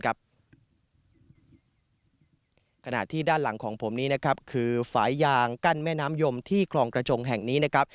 ขณะที่ด้านหลังของผมนี้นะครับคือฝ่ายยางกั้นแม่น้ำยมที่คลองกระจงแห่งนี้นะครับ